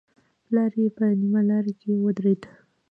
پلار يې په نيمه لاره کې ودرېد.